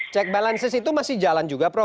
check balances itu masih jalan juga prof